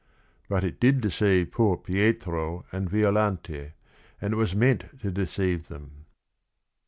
But it did deceive poor Pietro and Violante, and it was meant to deceive them.